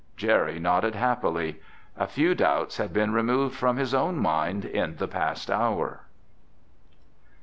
Jerry nodded happily. A few doubts had been removed from his own mind in the past hour.